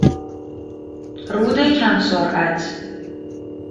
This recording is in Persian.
رود کم سرعت